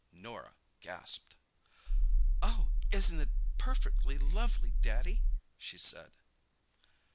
Norah gasped. "Oh, isn't it perfectly lovely, Daddy!" she said.